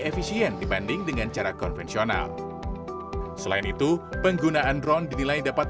efisien dibanding dengan cara konvensional selain itu penggunaan drone dinilai dapat